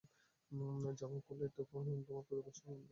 জামা খুলে তোমার কুকুরছানার মতো দেহটা বের করে দেখাও।